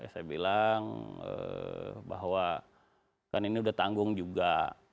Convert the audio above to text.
saya bilang bahwa kan ini udah tanggung juga